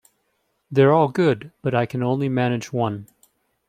They're all good but I can only manage one.